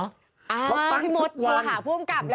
เขาตั้งทุกวันพี่มดโทรหาผู้อำกับเลย